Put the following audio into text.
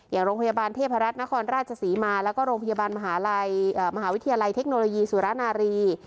อย่างโรงพยาบาลเทพรัฐนครราชศรีมาแล้วก็โรงพยาบาลมหาลัยมหาวิทยาลัยเทคโนโลยีสุรนารี